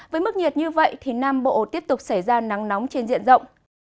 với mức nhiệt như vậy thì nam bộ tiếp tục xảy ra nắng nóng trên diện rộng